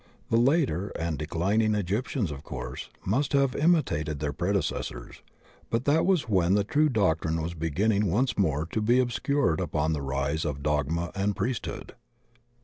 The later and declin ing Egyptians, of course, must have imitated dieir predecessors, but that was when the true doctrine was beginning once more to be obscured upon the rise of dogma and priesthood.